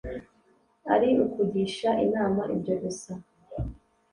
Ari ukugisha inama ibyo gusa.